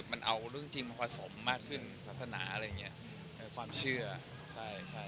มันเอาเรื่องจริงมาประสงค์มากขึ้นภาษณาอะไรอย่างงี้แล้วยังความเชื่อใช่ใช่